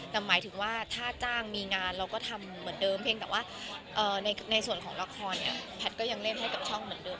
แต่หมายถึงว่าถ้าจ้างมีงานเราก็ทำเหมือนเดิมเพียงแต่ว่าในส่วนของละครเนี่ยแพทย์ก็ยังเล่นให้กับช่องเหมือนเดิม